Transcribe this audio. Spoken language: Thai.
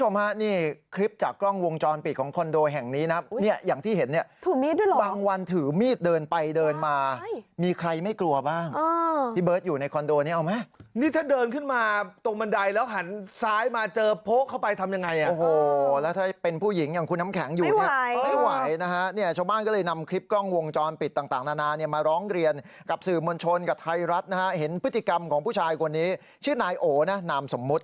หวาดระแวงคุณผู้ชมไปด้วยความหวาดระแวงคุณผู้ชมไปด้วยความหวาดระแวงคุณผู้ชมไปด้วยความหวาดระแวงคุณผู้ชมไปด้วยความหวาดระแวงคุณผู้ชมไปด้วยความหวาดระแวงคุณผู้ชมไปด้วยความหวาดระแวงคุณผู้ชมไปด้วยความหวาดระแวงคุณผู้ชมไปด้วยความหวาดระแวงคุณผู้ชมไปด้วยความหวาดระแวงคุณผู้ชมไปด้วยความห